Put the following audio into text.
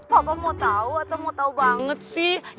bapak mau tahu atau mau tahu banget sih